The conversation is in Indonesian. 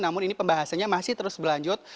namun ini pembahasannya masih terus berlanjut